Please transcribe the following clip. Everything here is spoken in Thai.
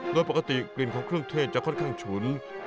โดยปกติกลิ่นของเครื่องเทศจะค่อนข้างฉุน